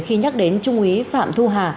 khi nhắc đến trung úy phạm thu hà